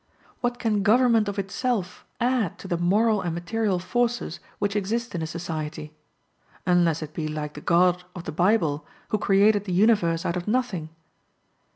What can government of itself add to the moral and material forces which exist in a society? Unless it be like the God of the Bible, who created the universe out of nothing?